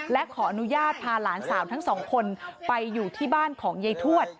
และขออนุญาตพาหลานสาวทั้งสองคนไปอยู่ที่บ้านของยายทวด